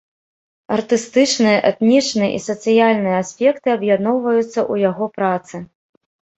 Артыстычныя, этнічныя і сацыяльныя аспекты аб'ядноўваюцца ў яго працы.